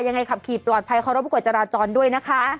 ยังไงครับขี่ปลอดภัยขอร้อมกับกวจราจรด้วยนะคะ